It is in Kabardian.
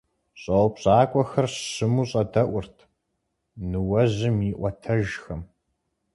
ЩӀэупщӀакӀуэхэр щыму щӀэдэӀурт ныуэжьым и Ӏуэтэжхэм.